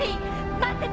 待ってて！